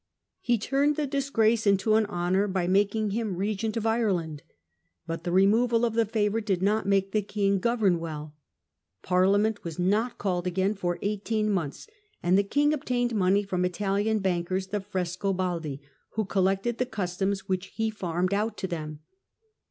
He turned the disgrace into an honour by making him Regent of Ireland. But the removal of the favourite did not make the king govern well. Parliament was not called again for eighteen months, and the king obtained money from Italian bankers, the Frescobaldi, who collected the customs which he farmed out to them.